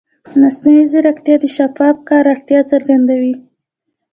مصنوعي ځیرکتیا د شفاف کار اړتیا څرګندوي.